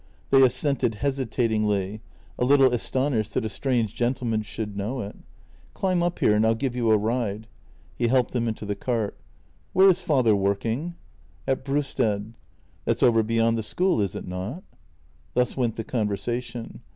" They assented hesitatingly — a little astonished that a strange gentleman should know it. " Climb up here and I'll give you a ride." He helped them into the cart. "Where is father working? "" At Brusted." " That's over beyond the school, is it not? " Thus went the conversation.